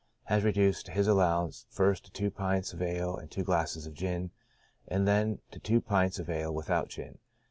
Has reduced his allowance, first to two pints of ale and two glasses of gin, and then to two pints of ale without gin.